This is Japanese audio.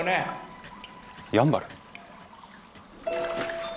やんばる？